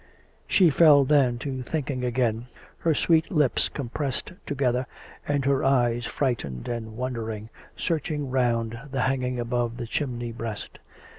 She fell then to thinking again, her sweet lips compressed together, and her eyes frightened and wondering, searching round the hanging above the chimney breast.